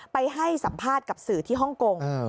ไปให้สัมภาษณ์กับสื่อที่ฮ่องกง